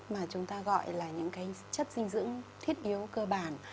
mà chúng ta gọi là những cái chất dinh dưỡng thiết yếu cơ bản